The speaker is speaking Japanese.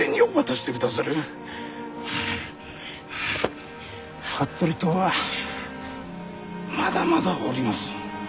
ハアハア服部党はまだまだおります。